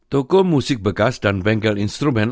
toko musik bekas dan bengkel instrumen